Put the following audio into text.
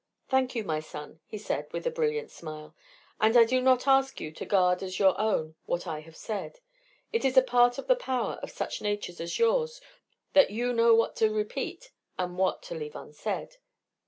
"Thank you, my son," he said with a brilliant smile. "And I do not ask you to guard as your own what I have said. It is a part of the power of such natures as yours that you know what to repeat and what to leave unsaid."